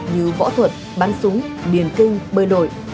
như võ thuật bắn súng biển kinh bơi nổi